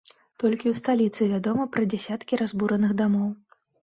Толькі ў сталіцы вядома пра дзясяткі разбураных дамоў.